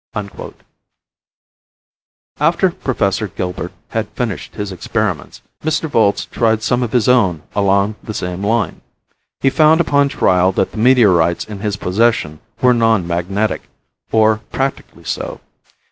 After Prof. Gilbert had finished his experiments, Mr. Volz tried some of his own along the same line. He found upon trial that the meteorites in his possession were non magnetic, or, practically so.